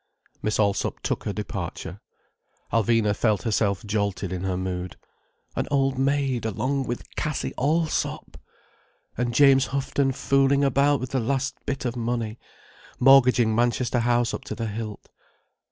Miss Allsop took her departure. Alvina felt herself jolted in her mood. An old maid along with Cassie Allsop!—and James Houghton fooling about with the last bit of money, mortgaging Manchester House up to the hilt.